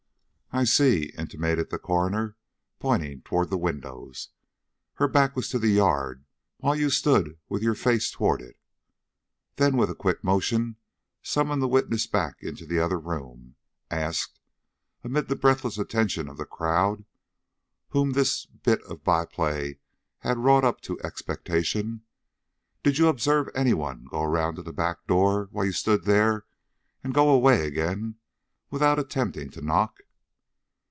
"I see," intimated the coroner, pointing toward the windows. "Her back was to the yard while you stood with your face toward it." Then with a quick motion, summoning the witness back into the other room, asked, amid the breathless attention of the crowd, whom this bit of by play had wrought up to expectation: "Did you observe any one go around to the back door while you stood there, and go away again without attempting to knock?"